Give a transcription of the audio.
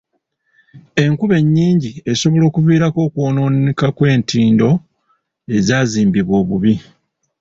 Enkuba ennyingi esobola okuviirako okwonooneka kw'entindo ezaazimbibwa obubi.